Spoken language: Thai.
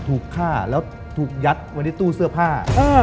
ถูกฆ่าแล้วถูกยัดไว้ในตู้เสื้อผ้า